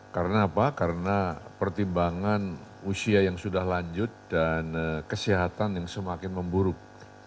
karena apa karena pertimbangan usia yang sudah lanjut dan kesehatan yang semakin memburuk